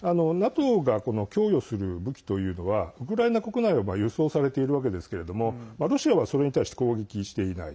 ＮＡＴＯが供与する武器というのはウクライナ国内を輸送されているわけですけれどもロシアはそれに対して攻撃していない。